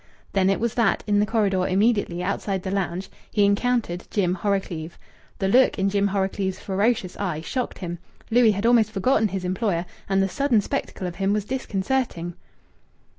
Then it was that, in the corridor immediately outside the lounge, he encountered Jim Horrocleave. The look in Jim Horrocleave's ferocious eye shocked him. Louis had almost forgotten his employer, and the sudden spectacle of him was disconcerting.